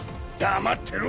黙ってろ！